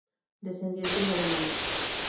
Descendiente de alemanes.